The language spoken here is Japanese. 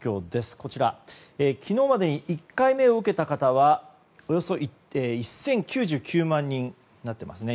こちら、昨日までに１回目を受けた方はおよそ１０９９万人になっていますね。